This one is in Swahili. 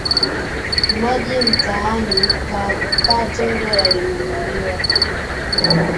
Maji mtaani Kaachonjo yalinunuliwa